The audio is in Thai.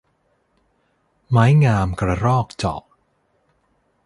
ไม้งามกระรอกเจาะ